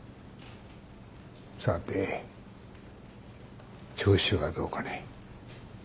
さて調子はどうかね？